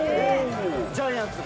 ジャイアンツで？